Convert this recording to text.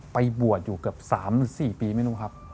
ไปบวชอยู่เกือบ๓๔ปีไม่รู้ครับ